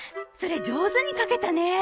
それ上手に書けたね！